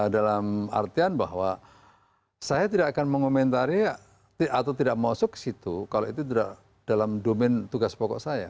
dalam artian bahwa saya tidak akan mengomentari atau tidak masuk ke situ kalau itu tidak dalam domain tugas pokok saya